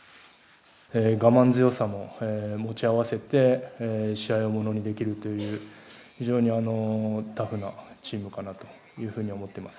我慢強さも持ち合わせて、試合をものにできるという、非常にタフなチームかなというふうに思ってます。